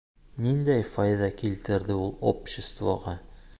Ниндәй файҙа килтерҙе ул обществоға?